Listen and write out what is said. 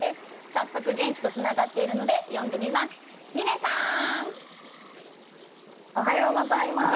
早速現地とつながっているので呼んでみます。